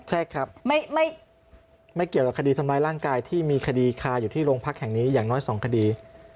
ใช่ครับไม่เกี่ยวกับคดีทำร้ายร่างกายที่มีคดีคาอยู่ที่โรงพักแห่งนี้อย่างน้อย๒คดี